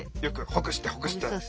よくほぐしてほぐして。